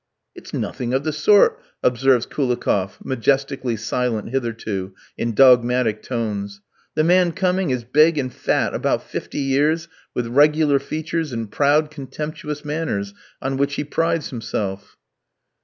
"It's nothing of the sort," observes Koulikoff, majestically silent hitherto, in dogmatic tones. "The man coming is big and fat, about fifty years, with regular features, and proud, contemptuous manners, on which he prides himself."